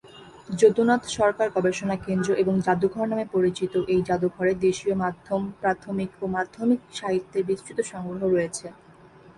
যদুনাথ সরকার গবেষণা কেন্দ্র এবং যাদুঘর নামে পরিচিত এই জাদুঘরে দেশীয় মধ্যম প্রাথমিক ও মাধ্যমিক সাহিত্যের বিস্তৃত সংগ্রহ রয়েছে।